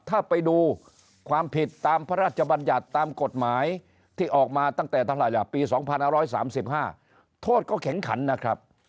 ถ้าไปดูความผิดตามพระราชบัญญัติตามกฎหมายที่ออกมาตั้งแต่เท่าไหร่ล่ะปี๒๕๓๕โทษก็แข็งขันนะครับ